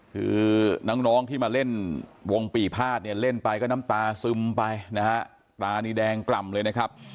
คือน้องที่มาเล่นวงปีภาษเนี่ยเล่นไปก็น้ำตาซึมไปนะฮะตานี่แดงกล่ำเลยนะครับ